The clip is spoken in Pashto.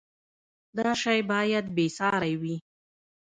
دا شی باید بې ساری وي.